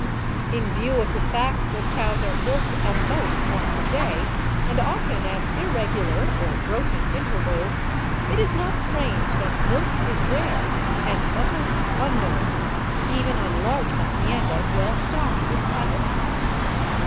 In view of the fact that cows are milked at most once a day, and often at irregular or broken intervals, it is not strange that milk is rare, and butter unknown, even on large haciendas well stocked with cattle.